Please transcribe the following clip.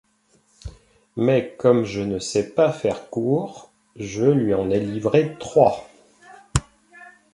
Mais, comme je ne sais pas faire court, je lui en ai livré trois.